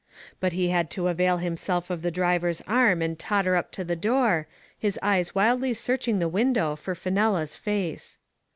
But he had to avail himself of the driv er's arm and totter up to the door, his eyes wildly searching the window for Fenella's face.